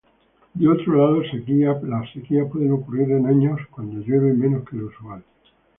Por otro lado, sequías pueden ocurrir en años cuando llueve menos que lo usual.